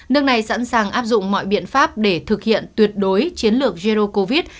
nước này sẵn sàng áp dụng mọi biện pháp để thực hiện tuyệt đối chiến lược zero covid